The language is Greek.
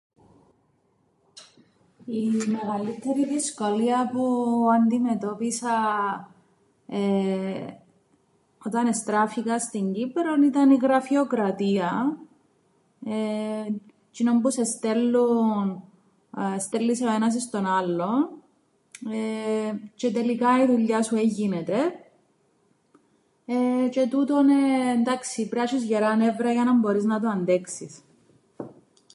Η μεγαλλύττερη δυσκολία που αντιμετώπισα, εεε, όταν εστράφηκα στην Κύπρον ήταν η γραφειοκρατία, εεεμ, τζ̌είνον που σε στέλλουν, στέλλει σε ο ένας εις τον άλλον, εεε, τζ̌αι τελικά η δουλειά σου εν γίνεται, εεε, τζ̌αι τούτον εεε εντάξει, πρέπει να έσ̆εις γερά νεύρα, για να μπορείς να το αντέξεις.